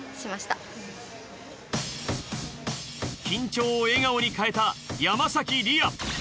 緊張を笑顔に変えた山莉愛。